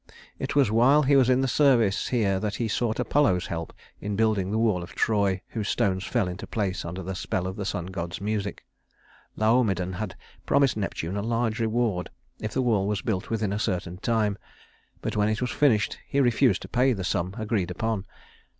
It was while he was in service here that he sought Apollo's help in building the wall of Troy, whose stones fell into place under the spell of the sun god's music. Laomedon had promised Neptune a large reward if the wall was built within a certain time; but when it was finished, he refused to pay the sum agreed upon.